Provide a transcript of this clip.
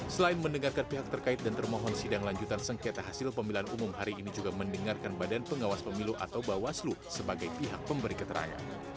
selain mendengarkan pihak terkait dan termohon sidang lanjutan sengketa hasil pemilihan umum hari ini juga mendengarkan badan pengawas pemilu atau bawaslu sebagai pihak pemberi keterangan